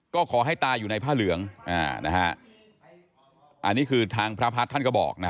ก็ขอให้ตายอยู่ในผ้าเหลืองอันนี้คือทางพระพัฒน์ท่านก็บอกนะ